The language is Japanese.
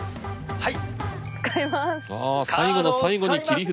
はい。